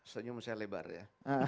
senyum saya lebar ya